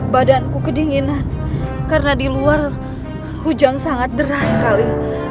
badanku kedinginan karena di luar hujan sangat deras sekali